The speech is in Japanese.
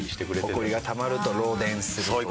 ホコリがたまると漏電するとか。